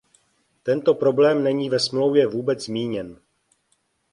Tento problém není ve smlouvě vůbec zmíněn.